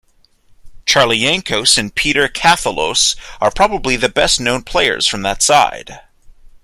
Charlie Yankos and Peter Katholos are probably the best known players from that side.